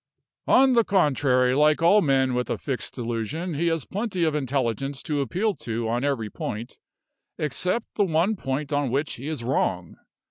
"On the contrary, like all men with a fixed delusion, he has plenty of intelligence to appeal to on every point, except the one point on which he is wrong.